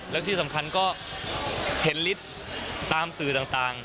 แล้วที่สำคัญก็เห็นฤทธิ์ตามสื่อต่าง